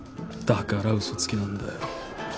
だから嘘つきなんだよ。